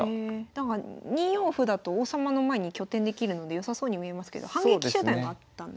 なんか２四歩だと王様の前に拠点できるので良さそうに見えますけど反撃手段があったんですね。